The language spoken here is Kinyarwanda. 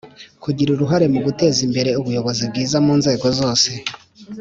kugira uruhare mu guteza imbere ubuyobozi bwiza mu nzego zose,